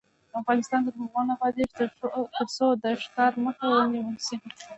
افغانستان تر هغو نه ابادیږي، ترڅو د ښکار مخه ونیول نشي.